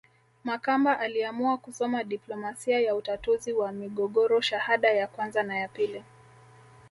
Makamba aliamua kusoma diplomasia ya utatuzi wa migogoro shahada ya kwanza na ya pili